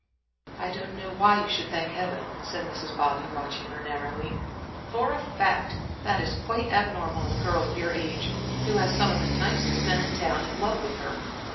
"I don't know why you should thank Heaven," said Mrs. Bobby, watching her narrowly, "for a fact that is quite abnormal in a girl of your age, who has some of the nicest men in town in love with her.